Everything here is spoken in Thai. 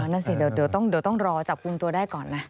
นั่นสิเดี๋ยวต้องรอจับกลุ่มตัวได้ก่อนนะ